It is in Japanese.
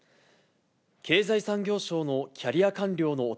経済産業省のキャリア官僚の男